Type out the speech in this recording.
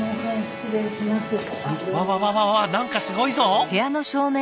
わわわわわ何かすごいぞ！